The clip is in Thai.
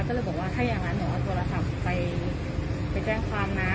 ก็เลยบอกว่าถ้าอย่างนั้นหนูเอาโทรศัพท์ไปแจ้งความนะ